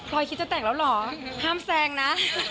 ปลอยคิสจะแต่งแล้วหรอห้ามแซงนะ